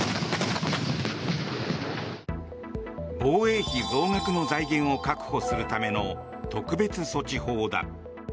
防衛費増額の財源を確保するための特別措置法だ。